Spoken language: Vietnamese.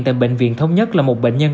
tại bệnh viện thống nhất là một bệnh nhân